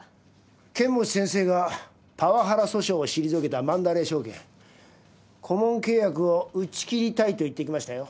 剣持先生がパワハラ訴訟を退けたマンダレイ証券顧問契約を打ち切りたいと言ってきましたよ。